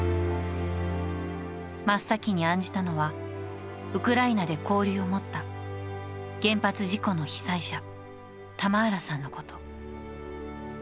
真っ先に案じたのは、ウクライナで交流を持った原発事故の被災者・タマーラさんのこと。